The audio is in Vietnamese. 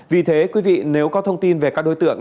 vì thế quý vị nếu có thông tin về các đối tượng